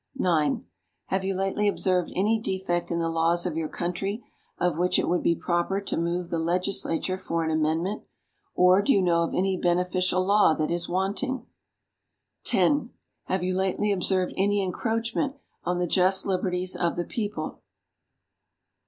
9. Have you lately observed any defect in the laws of your country, of which it would be proper to move the legislature for an amendment? Or do you know of any beneficial law that is wanting? 10. Have you lately observed any encroachment on the just liberties of the people?